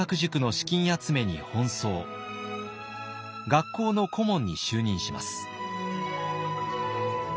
学校の顧問に就任します。